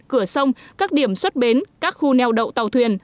cửa sông các điểm xuất bến các khu neo đậu tàu thuyền